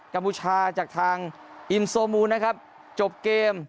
กบูชาจากทางอิมโซมูลนะครับจบเกม